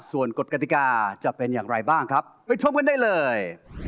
ส่วนกฎกติกาจะเป็นอย่างไรบ้างครับไปชมกันได้เลย